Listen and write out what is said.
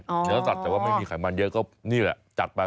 เนื้อสัตว์แต่ว่าไม่มีไขมันเยอะก็นี่แหละจัดไป